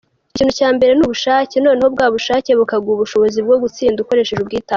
Ikintu cya mbere ni ubushake , noneho bwa bushake bukaguha ubushobozi bwo gutsinda , ukoresheje ubwitange.